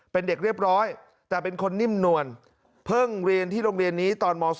เป็นเด็กเรียบร้อยแต่เป็นคนนิ่มนวลเพิ่งเรียนที่โรงเรียนนี้ตอนม๒